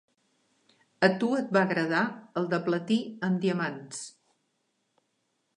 A tu et va agradar el de platí amb diamants.